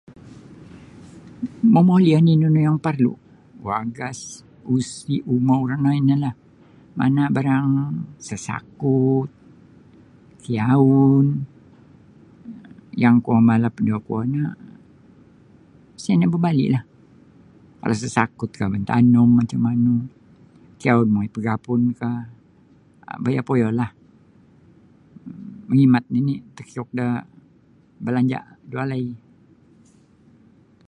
Momoli oni nunu yang parlu' wagas usi' umou rono ino lah mana barang sasakut kiyaun yang kuo malap da kuo no sa' nio babali'lah kalau sasakutkah mantanum macam manu kiyaun mongoi pagapunkah um bayap poyolah mangimat nini' takiuk da balanja' da walai.